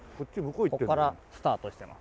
ここからスタートしてます。